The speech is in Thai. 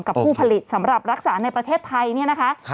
กับผู้ผลิตสำหรับรักษาในประเทศไทย